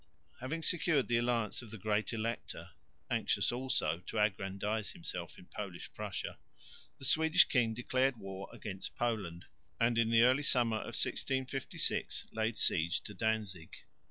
Having secured the alliance of the Great Elector, anxious also to aggrandise himself in Polish Prussia, the Swedish king declared war against Poland, and in the early summer of 1656 laid siege to Danzig.